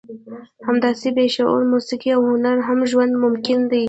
همداسې بې شعر، موسیقي او هنره هم ژوند ممکن دی.